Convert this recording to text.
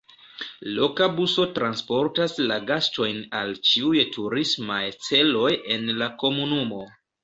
Loka buso transportas la gastojn al ĉiuj turismaj celoj en la komunumo.